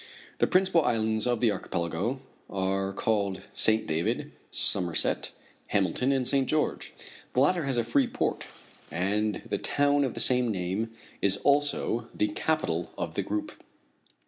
The principal islands of the archipelago are called St. David, Somerset, Hamilton, and St. George. The latter has a free port, and the town of the same name is also the capital of the group.